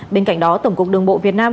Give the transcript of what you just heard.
bên cạnh đó tổng cục đường bộ việt nam